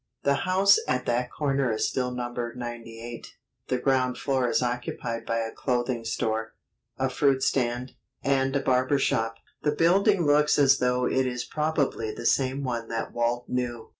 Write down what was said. The house at that corner is still numbered 98. The ground floor is occupied by a clothing store, a fruit stand, and a barber shop. The building looks as though it is probably the same one that Walt knew.